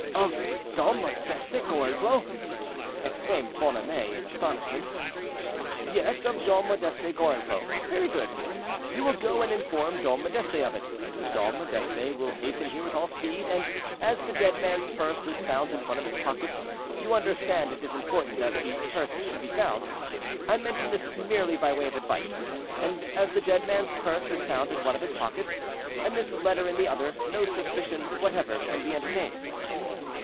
"Of Dom Modeste Gorenflot?" exclaimed Bonhomet, in astonishment. "Yes, of Dom Modeste Gorenflot. Very good! You will go and inform Dom Modeste of it; Dom Modeste will hasten here with all speed, and, as the dead man's purse is found in one of his pockets—you understand it is important that the purse should be found; I mention this merely by way of advice—and as the dead man's purse is found in one of his pockets, and this letter in the other, no suspicion whatever can be entertained."